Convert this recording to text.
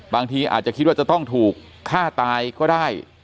บางทีอาจจะคิดว่าจะต้องถูกฆ่าตายก็ได้